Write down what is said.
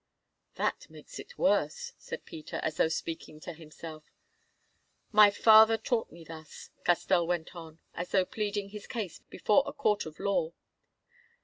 "That makes it worse," said Peter, as though speaking to himself. "My father taught me thus," Castell went on, as though pleading his case before a court of law.